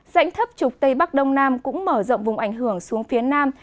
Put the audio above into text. dãnh thấp trục tây bắc đông nam cũng mở rộng vùng ảnh hưởng xuống phía nam